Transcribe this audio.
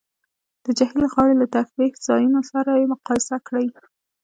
د جهیل غاړې له تفریح ځایونو سره یې مقایسه کړئ